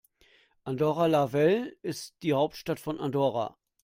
Andorra la Vella ist die Hauptstadt von Andorra.